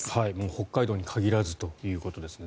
北海道に限らずということですね。